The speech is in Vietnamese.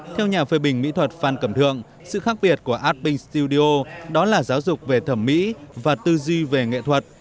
theo nhà phê bình mỹ thuật phan cẩm thượng sự khác biệt của artping studio đó là giáo dục về thẩm mỹ và tư duy về nghệ thuật